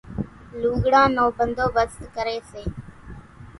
لُوڳڙان نو ڀنڌوڀست ڪريَ سي۔